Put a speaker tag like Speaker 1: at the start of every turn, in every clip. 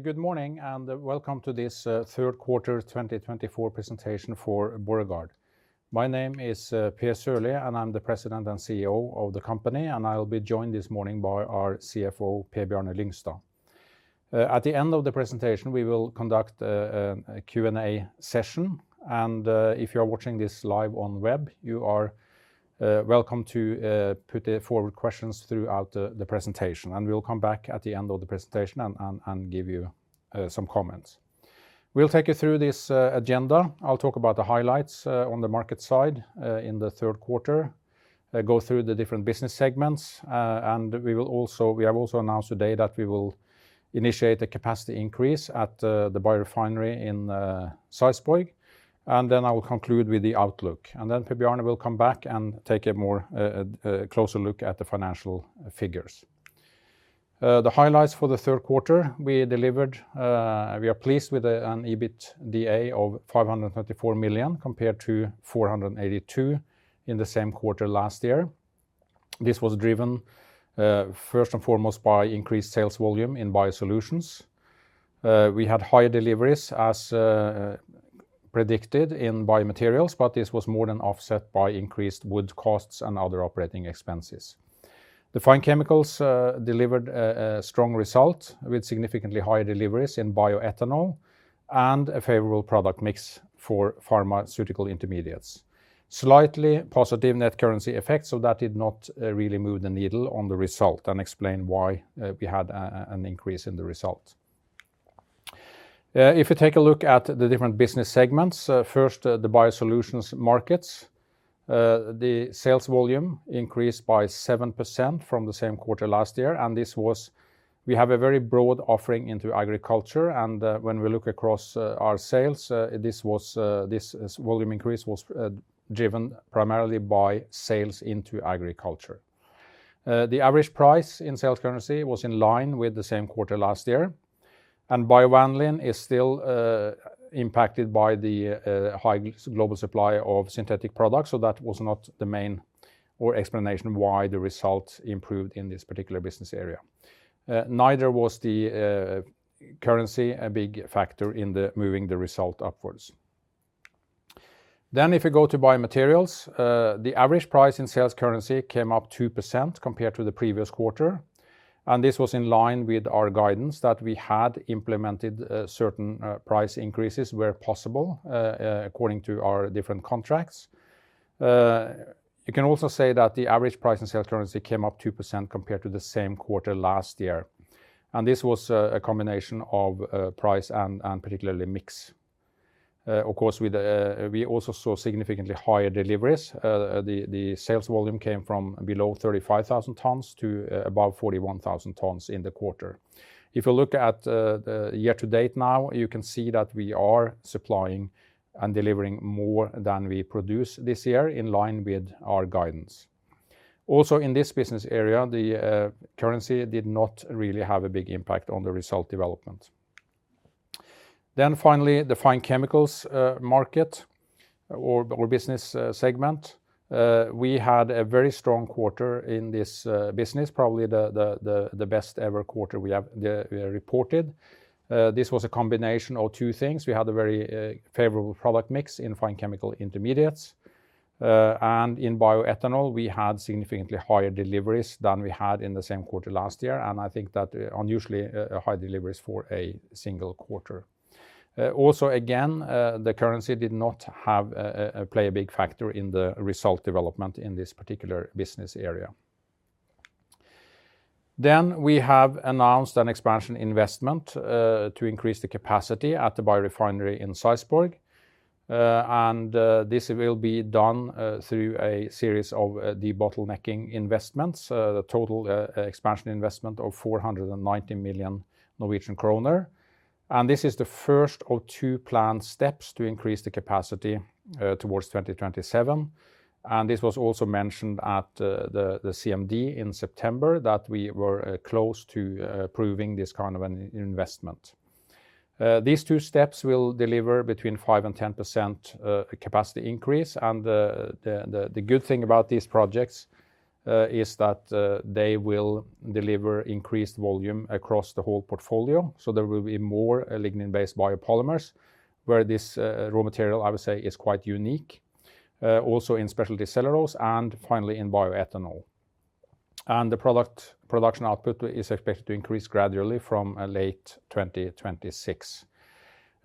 Speaker 1: Good morning and welcome to this third quarter 2024 presentation for Borregaard. My name is Per Sørlie, and I'm the President and CEO of the company, and I'll be joined this morning by our CFO, Per Bjarne Lyngstad. At the end of the presentation, we will conduct a Q&A session, and if you're watching this live on the web, you are welcome to put forward questions throughout the presentation, and we'll come back at the end of the presentation and give you some comments. We'll take you through this agenda. I'll talk about the highlights on the market side in the third quarter, go through the different business segments, and we have also announced today that we will initiate a capacity increase at the biorefinery in Sarpsborg. And then I will conclude with the outlook, and then Per Bjarne will come back and take a more closer look at the financial figures. The highlights for the third quarter: we are pleased with an EBITDA of 534 million compared to 482 million in the same quarter last year. This was driven first and foremost by increased sales volume in biosolutions. We had higher deliveries as predicted in biomaterials, but this was more than offset by increased wood costs and other operating expenses. The Fine Chemicals delivered a strong result with significantly higher deliveries in bioethanol and a favorable product mix for pharmaceutical intermediates. Slightly positive net currency effects, so that did not really move the needle on the result and explain why we had an increase in the result. If you take a look at the different business segments, first the Biosolutions markets, the sales volume increased by 7% from the same quarter last year, and this was, we have a very broad offering into agriculture, and when we look across our sales, this volume increase was driven primarily by sales into agriculture. The average price in sales currency was in line with the same quarter last year, and BioVanillin is still impacted by the high global supply of synthetic products, so that was not the main explanation why the result improved in this particular business area. Neither was the currency a big factor in moving the result upwards. Then if you go to Biomaterials, the average price in sales currency came up 2% compared to the previous quarter, and this was in line with our guidance that we had implemented certain price increases where possible according to our different contracts. You can also say that the average price in sales currency came up 2% compared to the same quarter last year, and this was a combination of price and particularly mix. Of course, we also saw significantly higher deliveries. The sales volume came from below 35,000 tons to above 41,000 tons in the quarter. If you look at year to date now, you can see that we are supplying and delivering more than we produce this year in line with our guidance. Also, in this business area, the currency did not really have a big impact on the result development. Then finally, the fine chemicals market or business segment, we had a very strong quarter in this business, probably the best ever quarter we have reported. This was a combination of two things. We had a very favorable product mix in fine chemical intermediates, and in bioethanol, we had significantly higher deliveries than we had in the same quarter last year, and I think that unusually high deliveries for a single quarter. Also, again, the currency did not play a big factor in the result development in this particular business area. Then we have announced an expansion investment to increase the capacity at the biorefinery in Sarpsborg, and this will be done through a series of de-bottlenecking investments, a total expansion investment of 490 million Norwegian kroner, and this is the first of two planned steps to increase the capacity towards 2027. And this was also mentioned at the CMD in September that we were close to proving this kind of an investment. These two steps will deliver between 5%-10% capacity increase, and the good thing about these projects is that they will deliver increased volume across the whole portfolio, so there will be more lignin-based biopolymers where this raw material, I would say, is quite unique, also in specialty cellulose and finally in bioethanol. And the product production output is expected to increase gradually from late 2026.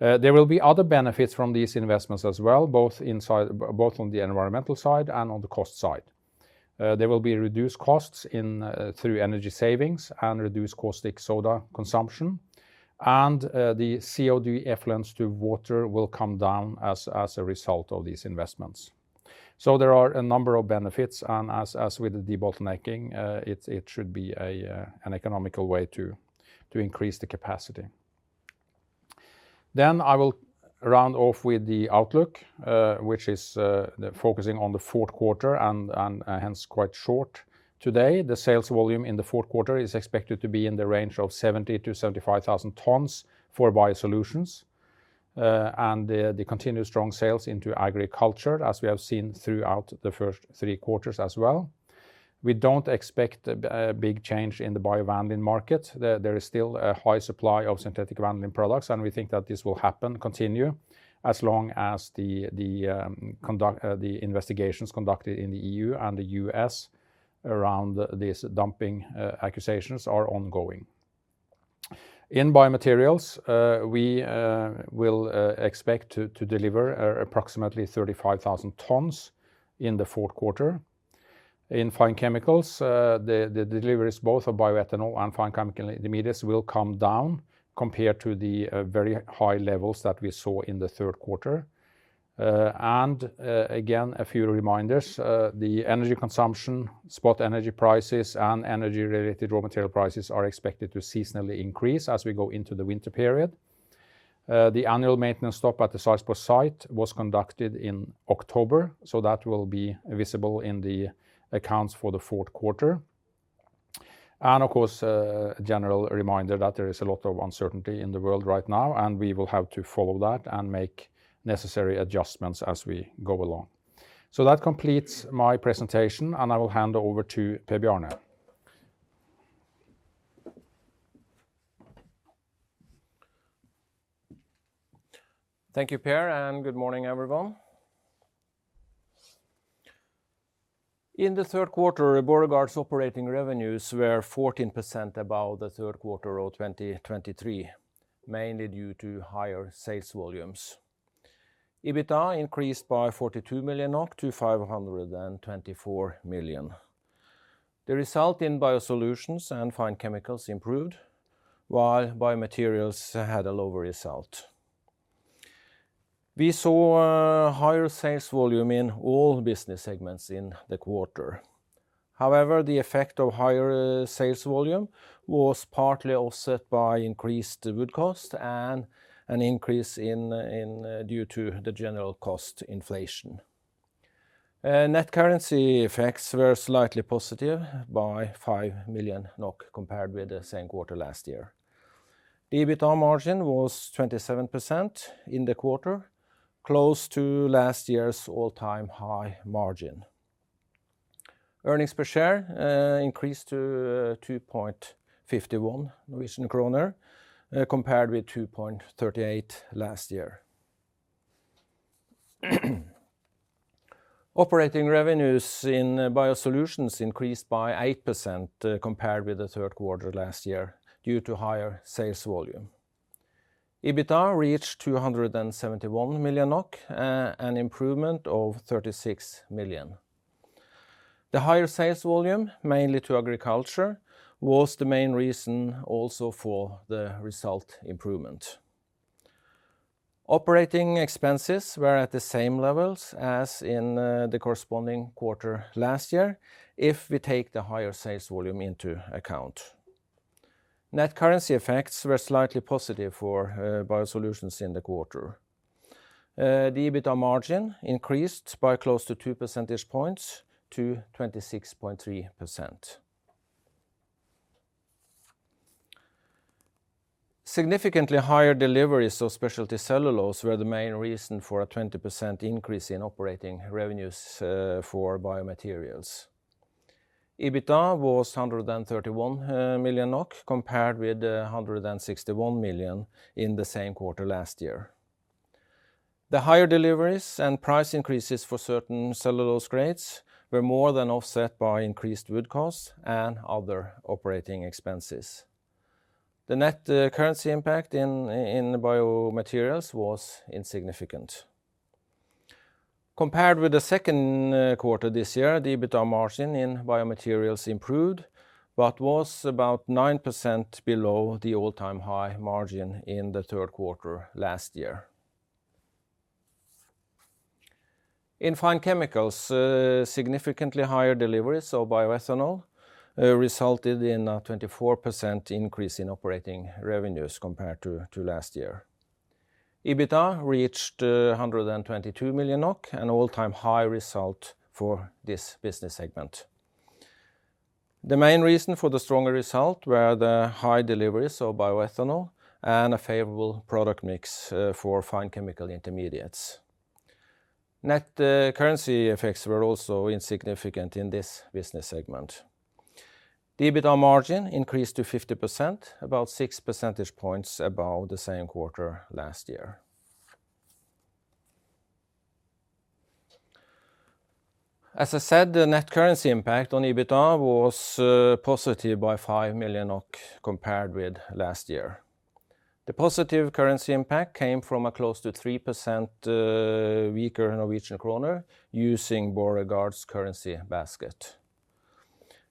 Speaker 1: There will be other benefits from these investments as well, both on the environmental side and on the cost side. There will be reduced costs through energy savings and reduced caustic soda consumption, and the CO2 effluent to water will come down as a result of these investments. There are a number of benefits, and as with the de-bottlenecking, it should be an economical way to increase the capacity. Then I will round off with the outlook, which is focusing on the fourth quarter and hence quite short today. The sales volume in the fourth quarter is expected to be in the range of 70,000 to 75,000 tons for Biosolutions, and the continued strong sales into agriculture, as we have seen throughout the first three quarters as well. We don't expect a big change in the BioVanillin market. There is still a high supply of synthetic vanillin products, and we think that this will happen, continue as long as the investigations conducted in the E.U. and the U.S. around these dumping accusations are ongoing. In Biomaterials, we will expect to deliver approximately 35,000 tons in the fourth quarter. In fine chemicals, the deliveries both of bioethanol and fine chemical intermediates will come down compared to the very high levels that we saw in the third quarter. And again, a few reminders: the energy consumption, spot energy prices, and energy-related raw material prices are expected to seasonally increase as we go into the winter period. The annual maintenance stop at the Sarpsborg site was conducted in October, so that will be visible in the accounts for the fourth quarter. And of course, a general reminder that there is a lot of uncertainty in the world right now, and we will have to follow that and make necessary adjustments as we go along. So that completes my presentation, and I will hand over to Per Bjarne.
Speaker 2: Thank you, Per, and good morning, everyone. In the third quarter, Borregaard's operating revenues were 14% above the third quarter of 2023, mainly due to higher sales volumes. EBITDA increased by 42 million NOK to 524 million NOK. The result in Biosolutions and Fine Chemicals improved, while Biomaterials had a lower result. We saw higher sales volume in all business segments in the quarter. However, the effect of higher sales volume was partly offset by increased wood costs and an increase due to the general cost inflation. Net currency effects were slightly positive by 5 million NOK compared with the same quarter last year. The EBITDA margin was 27% in the quarter, close to last year's all-time high margin. Earnings per share increased to 2.51 kroner compared with 2.38 NOK last year. Operating revenues in Biosolutions increased by 8% compared with the third quarter last year due to higher sales volume. EBITDA reached 271 million NOK, an improvement of 36 million. The higher sales volume, mainly to agriculture, was the main reason also for the result improvement. Operating expenses were at the same levels as in the corresponding quarter last year if we take the higher sales volume into account. Net currency effects were slightly positive for Biosolutions in the quarter. The EBITDA margin increased by close to 2 percentage points to 26.3%. Significantly higher deliveries of specialty cellulose were the main reason for a 20% increase in operating revenues for Biomaterials. EBITDA was 131 million NOK compared with 161 million in the same quarter last year. The higher deliveries and price increases for certain cellulose grades were more than offset by increased wood costs and other operating expenses. The net currency impact in Biomaterials was insignificant. Compared with the second quarter this year, the EBITDA margin in Biomaterials improved but was about 9% below the all-time high margin in the third quarter last year. In Fine Chemicals, significantly higher deliveries of Bioethanol resulted in a 24% increase in operating revenues compared to last year. EBITDA reached 122 million NOK, an all-time high result for this business segment. The main reason for the stronger result were the high deliveries of Bioethanol and a favorable product mix for fine chemical intermediates. Net currency effects were also insignificant in this business segment. The EBITDA margin increased to 50%, about 6 percentage points above the same quarter last year. As I said, the net currency impact on EBITDA was positive by 5 million NOK compared with last year. The positive currency impact came from a close to 3% weaker Norwegian kroner using Borregaard's currency basket.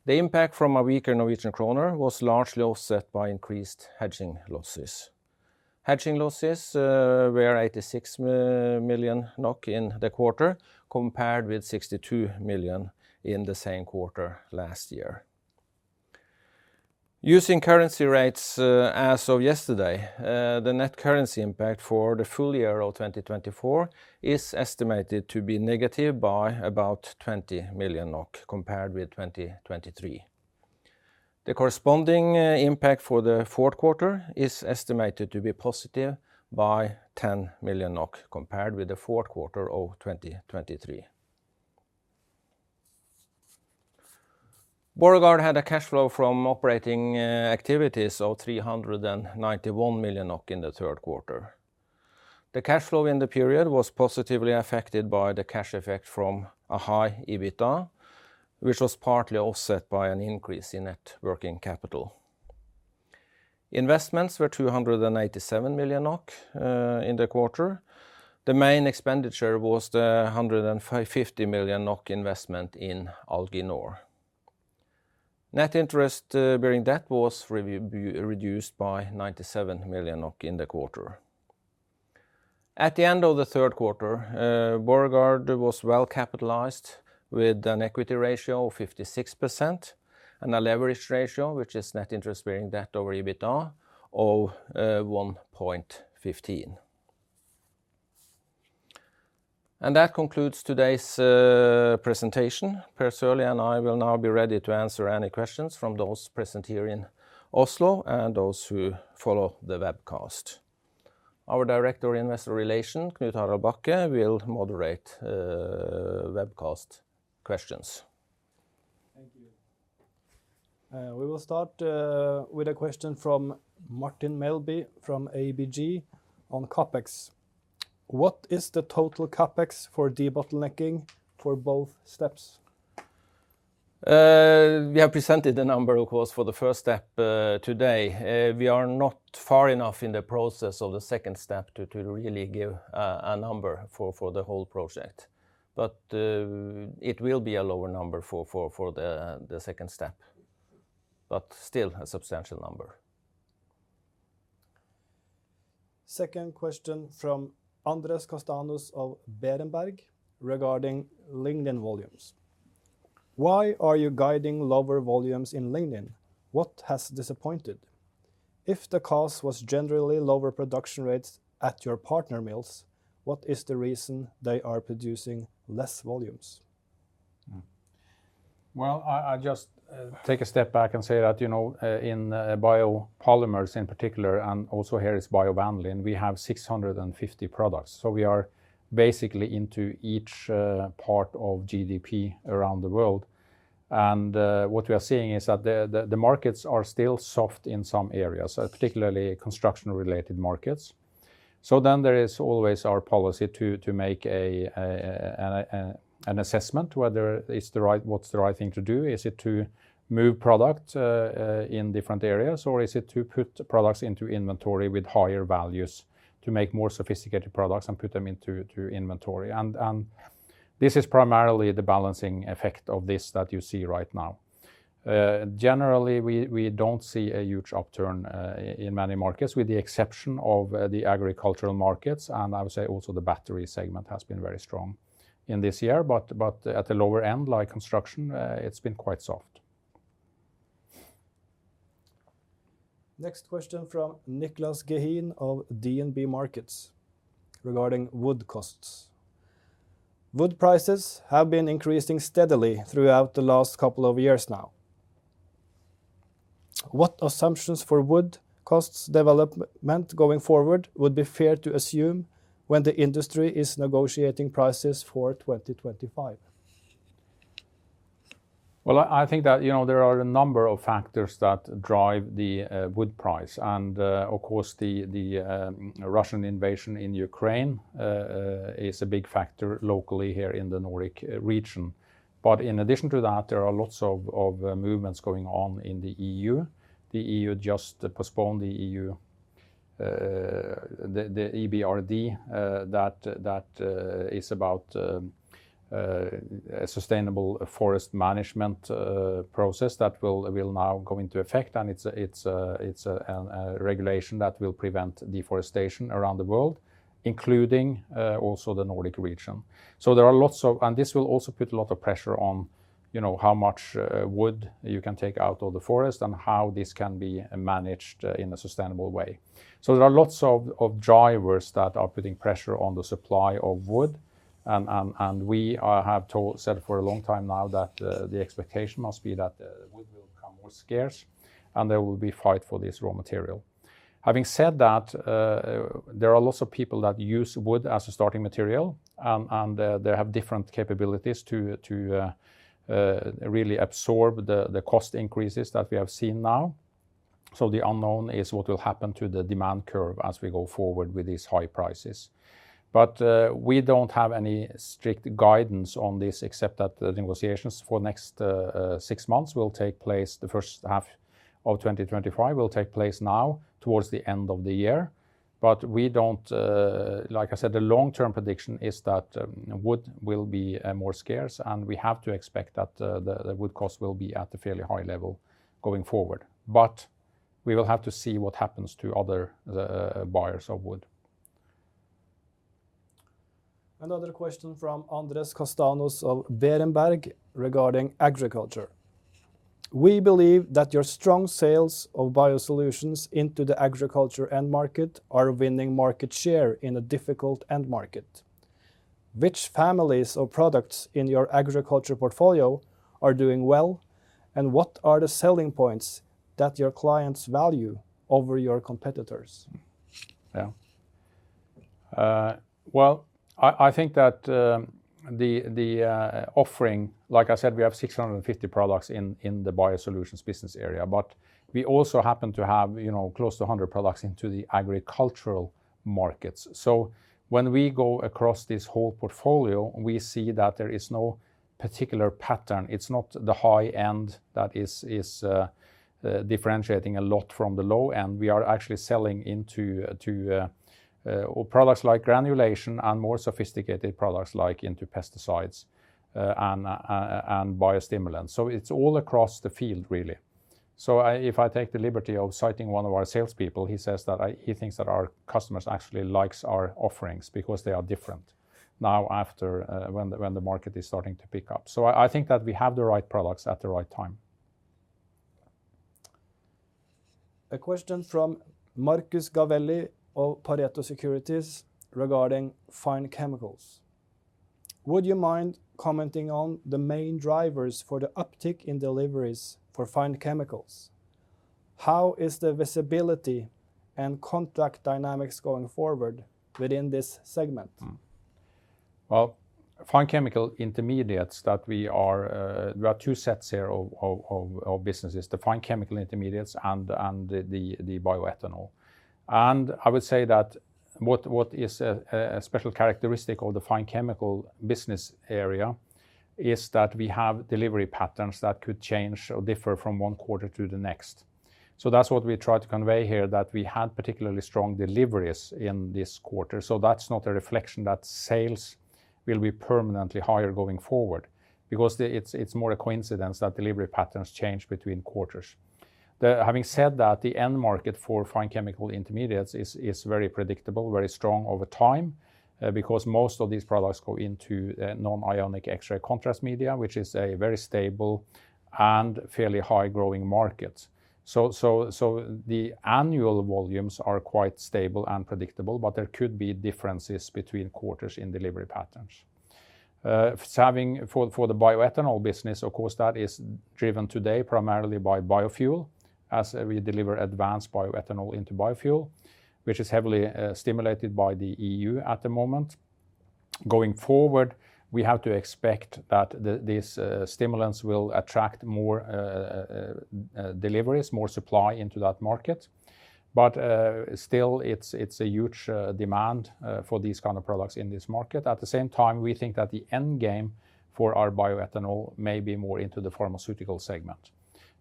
Speaker 2: The impact from a weaker Norwegian kroner was largely offset by increased hedging losses. Hedging losses were 86 million NOK in the quarter compared with 62 million in the same quarter last year. Using currency rates as of yesterday, the net currency impact for the full year of 2024 is estimated to be negative by about 20 million NOK compared with 2023. The corresponding impact for the fourth quarter is estimated to be positive by 10 million NOK compared with the fourth quarter of 2023. Borregaard had a cash flow from operating activities of 391 million NOK in the third quarter. The cash flow in the period was positively affected by the cash effect from a high EBITDA, which was partly offset by an increase in net working capital. Investments were 287 million NOK in the quarter. The main expenditure was the 150 million NOK investment in Alginor. Net interest-bearing debt was reduced by 97 million NOK in the quarter. At the end of the third quarter, Borregaard was well capitalized with an equity ratio of 56% and a leverage ratio, which is net interest-bearing debt over EBITDA, of 1.15. That concludes today's presentation. Per Sørlie and I will now be ready to answer any questions from those present here in Oslo and those who follow the webcast. Our director of investor relations, Knut-Harald Bakke, will moderate webcast questions.
Speaker 3: Thank you. We will start with a question from Martin Melbye from ABG on CapEx. What is the total CapEx for de-bottlenecking for both steps?
Speaker 2: We have presented the number, of course, for the first step today. We are not far enough in the process of the second step to really give a number for the whole project, but it will be a lower number for the second step, but still a substantial number.
Speaker 3: Second question from Andres Castanos-Mollor of Berenberg regarding lignin volumes. Why are you guiding lower volumes in lignin? What has disappointed? If the cause was generally lower production rates at your partner mills, what is the reason they are producing less volumes?
Speaker 2: I'll just take a step back and say that in Biopolymers in particular, and also here is BioVanillin, we have 650 products. We are basically into each part of GDP around the world. What we are seeing is that the markets are still soft in some areas, particularly construction-related markets. Then there is always our policy to make an assessment whether what's the right thing to do. Is it to move product in different areas, or is it to put products into inventory with higher values to make more sophisticated products and put them into inventory? This is primarily the balancing effect of this that you see right now. Generally, we don't see a huge upturn in many markets, with the exception of the agricultural markets. I would say also the battery segment has been very strong in this year, but at the lower end, like construction, it's been quite soft.
Speaker 3: Next question from Niclas Gehin of DNB Markets regarding wood costs. Wood prices have been increasing steadily throughout the last couple of years now. What assumptions for wood costs development going forward would be fair to assume when the industry is negotiating prices for 2025?
Speaker 2: I think that there are a number of factors that drive the wood price. Of course, the Russian invasion in Ukraine is a big factor locally here in the Nordic region. In addition to that, there are lots of movements going on in the EU. The EU just postponed the EUDR that is about sustainable forest management process that will now go into effect. It's a regulation that will prevent deforestation around the world, including also the Nordic region, and this will also put a lot of pressure on how much wood you can take out of the forest and how this can be managed in a sustainable way. There are lots of drivers that are putting pressure on the supply of wood. We have said for a long time now that the expectation must be that wood will become more scarce and there will be a fight for this raw material. Having said that, there are lots of people that use wood as a starting material, and they have different capabilities to really absorb the cost increases that we have seen now. So the unknown is what will happen to the demand curve as we go forward with these high prices. But we don't have any strict guidance on this, except that the negotiations for the next six months will take place. The first half of 2025 will take place now towards the end of the year. But we don't, like I said, the long-term prediction is that wood will be more scarce, and we have to expect that the wood cost will be at a fairly high level going forward. But we will have to see what happens to other buyers of wood.
Speaker 3: Another question from Andres Castanos-Mollor of Berenberg regarding agriculture. We believe that your strong sales of BioSolutions into the agriculture end market are winning market share in a difficult end market. Which families of products in your agriculture portfolio are doing well, and what are the selling points that your clients value over your competitors?
Speaker 2: Yeah. Well, I think that the offering, like I said, we have 650 products in the Biosolutions business area, but we also happen to have close to 100 products into the agricultural markets. So when we go across this whole portfolio, we see that there is no particular pattern. It's not the high end that is differentiating a lot from the low end. We are actually selling into products like granulation and more sophisticated products like into pesticides and biostimulants. So it's all across the field, really. So if I take the liberty of citing one of our salespeople, he says that he thinks that our customers actually like our offerings because they are different now when the market is starting to pick up. So I think that we have the right products at the right time.
Speaker 3: A question from Marcus Gavelli of Pareto Securities regarding Fine Chemicals. Would you mind commenting on the main drivers for the uptick in deliveries for Fine Chemicals? How is the visibility and contract dynamics going forward within this segment?
Speaker 2: Fine chemical intermediates that we are, there are two sets here of businesses: the fine chemical intermediates and the bioethanol. I would say that what is a special characteristic of the fine chemical business area is that we have delivery patterns that could change or differ from one quarter to the next. That's what we try to convey here, that we had particularly strong deliveries in this quarter. That's not a reflection that sales will be permanently higher going forward, because it's more a coincidence that delivery patterns change between quarters. Having said that, the end market for fine chemical intermediates is very predictable, very strong over time, because most of these products go into non-ionic X-ray contrast media, which is a very stable and fairly high-growing market. So the annual volumes are quite stable and predictable, but there could be differences between quarters in delivery patterns. For the bioethanol business, of course, that is driven today primarily by biofuel, as we deliver advanced bioethanol into biofuel, which is heavily stimulated by the EU at the moment. Going forward, we have to expect that this stimulation will attract more deliveries, more supply into that market. But still, it's a huge demand for these kinds of products in this market. At the same time, we think that the end game for our bioethanol may be more into the pharmaceutical segment,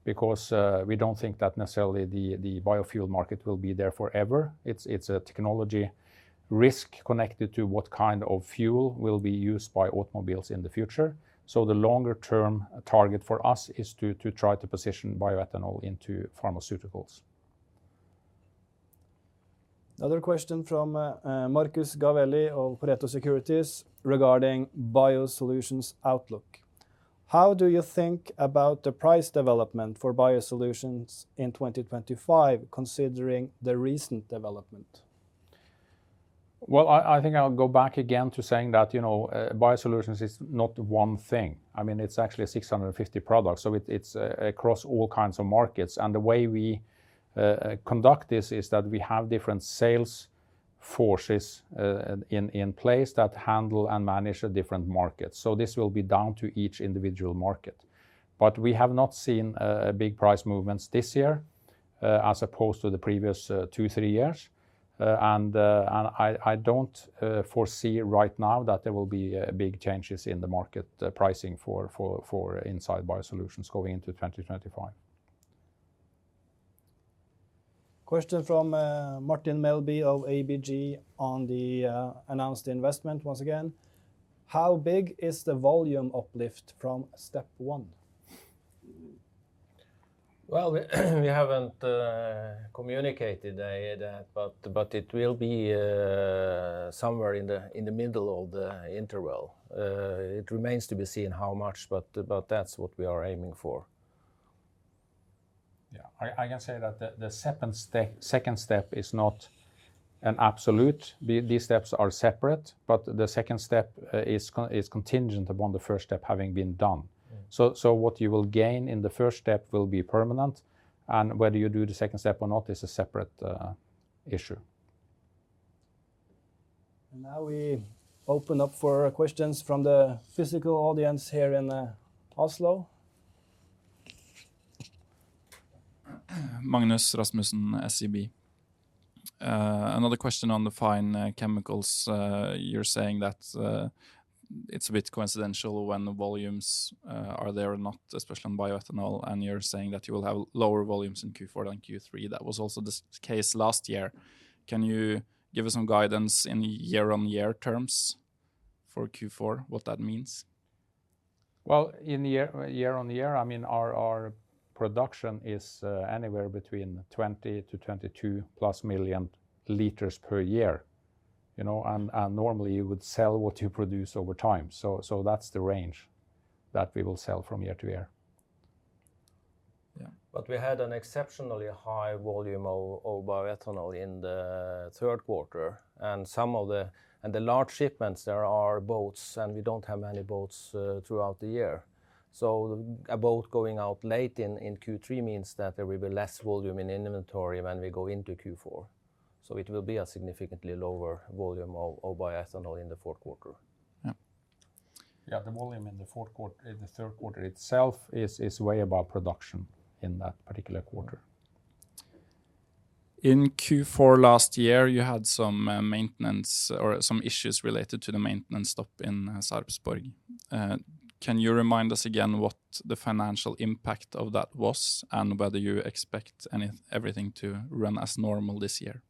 Speaker 2: because we don't think that necessarily the biofuel market will be there forever. It's a technology risk connected to what kind of fuel will be used by automobiles in the future. So the longer-term target for us is to try to position bioethanol into pharmaceuticals.
Speaker 3: Another question from Marcus Gavelli of Pareto Securities regarding Biosolutions outlook. How do you think about the price development for Biosolutions in 2025, considering the recent development?
Speaker 2: I think I'll go back again to saying that Biosolutions is not one thing. I mean, it's actually 650 products. So it's across all kinds of markets. And the way we conduct this is that we have different sales forces in place that handle and manage different markets. So this will be down to each individual market. But we have not seen big price movements this year, as opposed to the previous two, three years. And I don't foresee right now that there will be big changes in the market pricing in Biosolutions going into 2025.
Speaker 3: Question from Martin Melbye of ABG on the announced investment once again. How big is the volume uplift from step one?
Speaker 2: We haven't communicated that, but it will be somewhere in the middle of the interval. It remains to be seen how much, but that's what we are aiming for. Yeah. I can say that the second step is not an absolute. These steps are separate, but the second step is contingent upon the first step having been done. What you will gain in the first step will be permanent. Whether you do the second step or not is a separate issue.
Speaker 3: Now we open up for questions from the physical audience here in Oslo.
Speaker 1: Magnus Rasmussen, SEB. Another question on the fine chemicals. You're saying that it's a bit coincidental when the volumes are there or not, especially on bioethanol. And you're saying that you will have lower volumes in Q4 than Q3. That was also the case last year. Can you give us some guidance in year-on-year terms for Q4, what that means?
Speaker 2: In year-on-year, I mean, our production is anywhere between 20-22+ million liters per year. Normally, you would sell what you produce over time. So that's the range that we will sell from year to year. Yeah. But we had an exceptionally high volume of bioethanol in the third quarter. Some of the large shipments, there are boats, and we don't have many boats throughout the year. A boat going out late in Q3 means that there will be less volume in inventory when we go into Q4. It will be a significantly lower volume of bioethanol in the fourth quarter. Yeah. Yeah, the volume in the third quarter itself is way above production in that particular quarter.
Speaker 1: In Q4 last year, you had some maintenance or some issues related to the maintenance stop in Sarpsborg. Can you remind us again what the financial impact of that was and whether you expect everything to run as normal this year?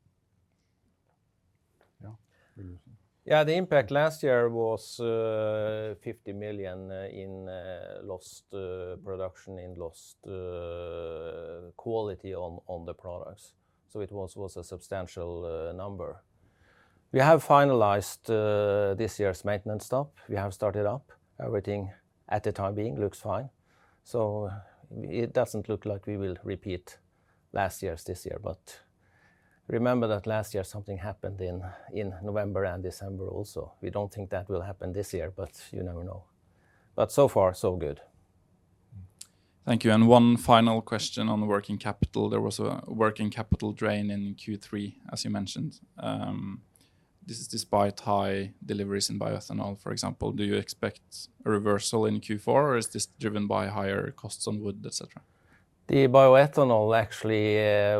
Speaker 2: Yeah. Yeah, the impact last year was 50 million NOK in lost production, in lost quality on the products. So it was a substantial number. We have finalized this year's maintenance stop. We have started up. Everything for the time being looks fine. So it doesn't look like we will repeat last year's this year. But remember that last year something happened in November and December also. We don't think that will happen this year, but you never know. But so far, so good.
Speaker 1: Thank you. And one final question on the working capital. There was a working capital drain in Q3, as you mentioned. This is despite high deliveries in bioethanol, for example. Do you expect a reversal in Q4, or is this driven by higher costs on wood, etc.?
Speaker 2: The bioethanol actually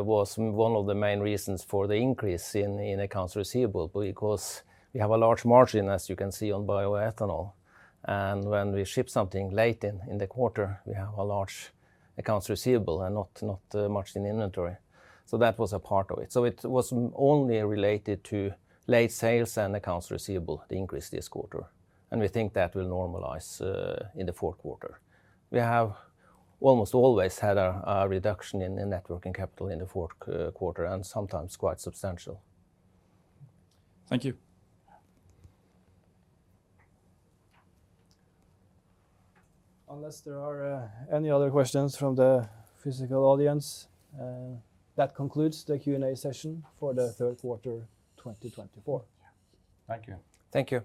Speaker 2: was one of the main reasons for the increase in accounts receivable, because we have a large margin, as you can see, on bioethanol. And when we ship something late in the quarter, we have a large accounts receivable and not much in inventory. So that was a part of it. So it was only related to late sales and accounts receivable, the increase this quarter. And we think that will normalize in the fourth quarter. We have almost always had a reduction in net working capital in the fourth quarter, and sometimes quite substantial.
Speaker 1: Thank you.
Speaker 3: Unless there are any other questions from the physical audience, that concludes the Q&A session for the third quarter 2024.
Speaker 2: Thank you. Thank you.